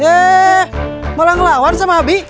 ya malah ngelawan sama abi